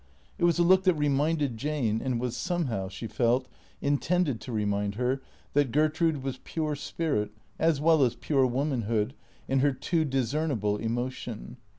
It was a look that reminded Jane, and was somehow, she felt, intended to remind her, that Gertrude was pure spirit as well as pure womanhood in her too discernible emotion.